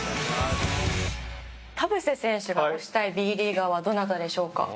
田臥選手が推したいＢリーガーはどなたでしょうか？